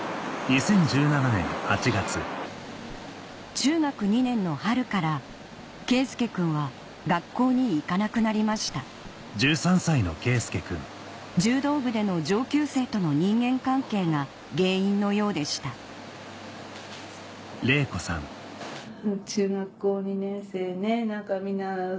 中学２年の春から佳祐くんは学校に行かなくなりました柔道部での上級生との人間関係が原因のようでしたこれ強えぇ。